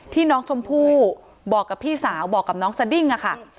ที่น้องชมพู่บอกกับพี่สาวบอกกับน้องสดิ้งค่ะ